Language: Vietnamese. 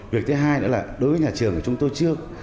việc thứ hai nữa là đối với nhà trường của chúng tôi chưa